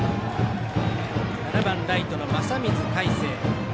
７番ライトの正水海成。